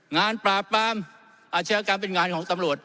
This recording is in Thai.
งานปราบปรามอาชญากรรมเป็นงานของตำรวจ